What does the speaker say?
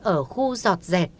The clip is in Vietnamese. ở khu giọt rẹt